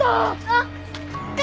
あっ。